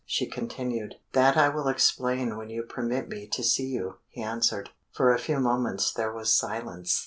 she continued. "That I will explain when you permit me to see you," he answered. For a few moments there was silence.